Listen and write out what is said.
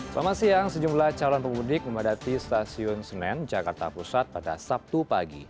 selamat siang sejumlah calon pemudik memadati stasiun senen jakarta pusat pada sabtu pagi